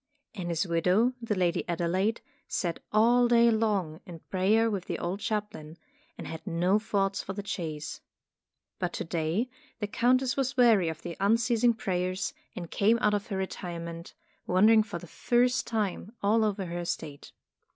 And his widow, the Lady Adelaide, sat all day long in prayer with the old chaplain, and had no thoughts for the chase. But to day, the Countess was weary of the unceasing prayers, and came out of Tales of Modem Germany 137 her retirement, wandering for the first time all over her estate.